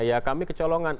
ya kami kecolongan